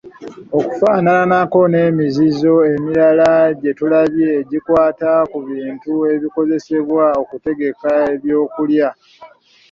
Okufananako n’emizizo emirala gye tulabye egikwata ku bintu ebikozesebwa okutegeka ebyokulya.